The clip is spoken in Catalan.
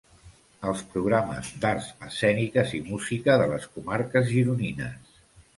Els programes d'arts escèniques i música de les comarques gironines.